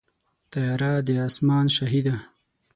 طیاره د اسمان شاهي ده.